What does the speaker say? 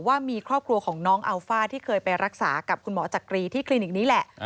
ว่ามีครอบครัวของน้องอัลฟ่าที่เคยไปรักษากับคุณหมอจักรีที่คลินิกนี้แหละ